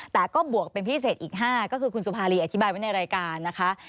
แต่ก็บวกเป็นพิเศษอีก๕ก็คือคุณสุภารีอธิบายไว้ในรายการนะคะ